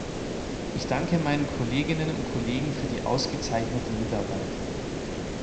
Ich danke meinen Kolleginnen und Kollegen für die ausgezeichnete Mitarbeit.